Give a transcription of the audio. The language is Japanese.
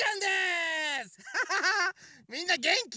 みんなげんき？